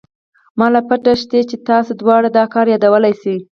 ما له پته شتې چې تاسې دواړه دا کار يادولې شې.